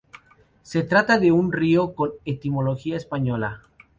Se trata de un río con etimología española.